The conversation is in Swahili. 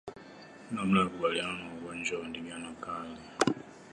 Namna ya kukabiliana na ugonjwa wa ndigana kali